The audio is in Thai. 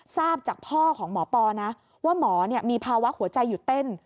ทราบจากพ่อของหมอปอนะว่าหมอมีภาวะหัวใจหยุดเต้น